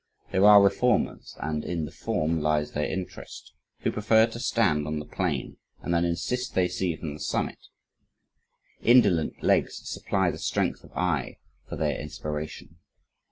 There are reformers, and in "the form" lies their interest, who prefer to stand on the plain, and then insist they see from the summit. Indolent legs supply the strength of eye for their inspiration.